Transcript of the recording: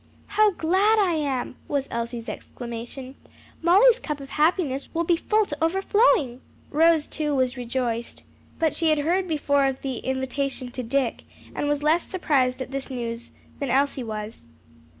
"How glad I am!" was Elsie's exclamation. "Molly's cup of happiness will be full to overflowing." Rose, too, was rejoiced; but she had heard before of the invitation to Dick, and was less surprised at this news than Elsie was.